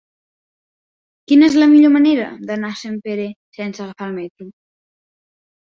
Quina és la millor manera d'anar a Sempere sense agafar el metro?